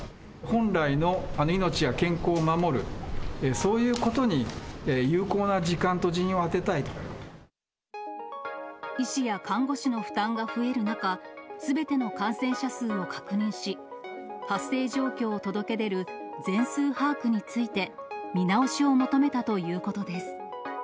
本来の命や健康を守る、そういうことに、医師や看護師の負担が増える中、すべての感染者数を確認し、発生状況を届け出る全数把握について、見直しを求めたということです。